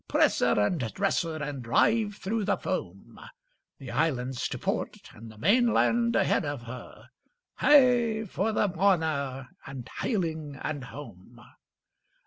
Press her and dress her, and drive through the foam; The Island's to port, and the mainland ahead of her, Hey for the Warner and Hayling and Home!